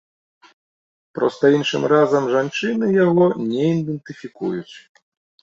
Проста іншым разам жанчыны яго не ідэнтыфікуюць.